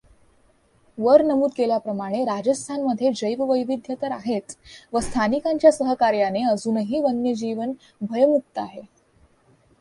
वर नमूद केल्याप्रमाणे राजस्थानमध्ये जैववैविध्य तर आहेच व स्थानिकांच्या सहकार्याने अजूनही वन्यजीवन भयमुक्त आहे.